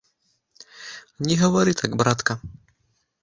Не гавары так, братка!